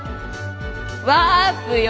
ワープよ。